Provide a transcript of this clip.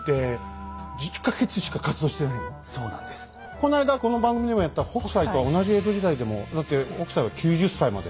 この間この番組でもやった北斎とは同じ江戸時代でもだって北斎は９０歳まで。